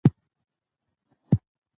که لیکوال وي نو فکر نه مري.